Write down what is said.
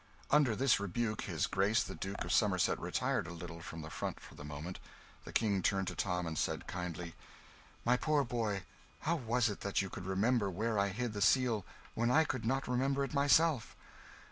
Under this rebuke, his Grace the Duke of Somerset retired a little from the front for the moment. The King turned to Tom, and said kindly "My poor boy, how was it that you could remember where I hid the Seal when I could not remember it myself?"